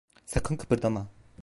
Sakın kıpırdama.